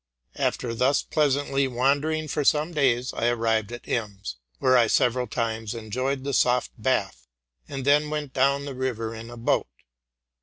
After thus pleasantly wandering for some days, I arrived at Ems, where I several times enjoyed the soft bath, and then went down the river in a boat.